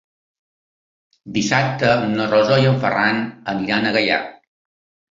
Dissabte na Rosó i en Ferran iran a Gaià.